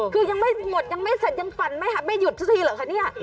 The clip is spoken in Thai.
คือยังไม่หมดยังไม่เสร็จยังฝันไม่หยุดสักทีเหรอคะเนี่ย